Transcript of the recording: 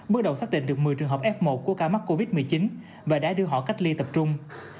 bước đầu xác định được một mươi trường hợp f một của ca mắc covid một mươi chín và đã đưa họ cách ly tập trung